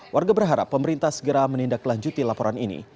warga berharap pemerintah segera menindaklanjuti laporan ini